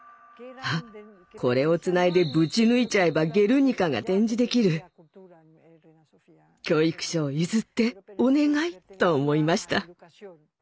あっこれをつないでぶち抜いちゃえば「ゲルニカ」が展示できる。と思いました。